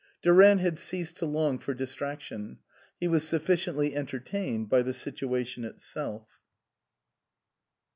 Durant had ceased to long for dis traction ; he was sufficiently entertained by the situation itself.